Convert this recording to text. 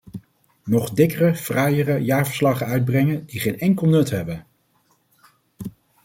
Nog dikkere, fraaiere jaarverslagen uitbrengen, die geen enkel nut hebben?